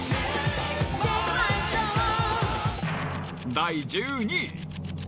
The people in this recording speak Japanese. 第１２位。